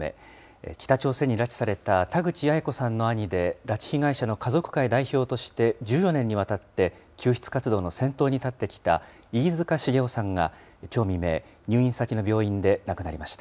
北朝鮮に拉致された田口八重子さんの兄で拉致被害者の家族会代表として１４年にわたって救出活動の先頭に立ってきた飯塚繁雄さんが、きょう未明、入院先の病院で亡くなりました。